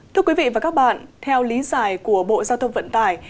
thưa quý vị và các bạn theo lý giải của bộ giao thông vận tải